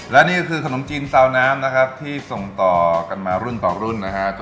และนี่ก็คือขนมจีนซาวน้ำนะครับที่ส่งต่อกันมารุ่นต่อรุ่นนะฮะ